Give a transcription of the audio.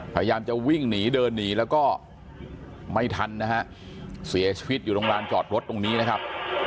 พยายามจะวิ่งหนีเดินหนีแล้วก็ไม่ทันนะฮะเสียชีวิตอยู่ตรงลานจอดรถตรงนี้นะครับ